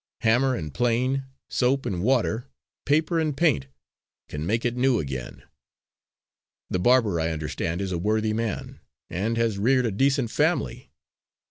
Hammer and plane, soap and water, paper and paint, can make it new again. The barber, I understand, is a worthy man, and has reared a decent family.